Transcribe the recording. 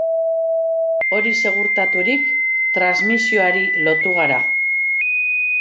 Hori segurtaturik, transmisioari lotu gara.